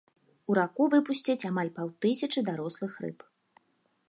У раку выпусцяць амаль паўтысячы дарослых рыб.